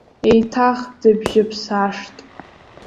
Еиҭах дыбжьыԥсаашт!